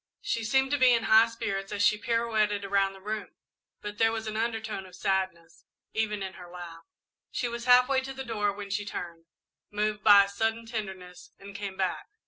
She seemed to be in high spirits as she pirouetted around the room, but there was an undertone of sadness, even in her laugh. She was half way to the door when she turned, moved by a sudden tenderness, and came back.